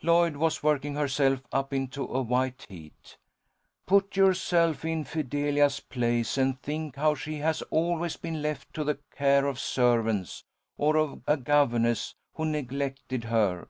Lloyd was working herself up into a white heat. "Put yourself in Fidelia's place, and think how she has always been left to the care of servants, or of a governess who neglected her.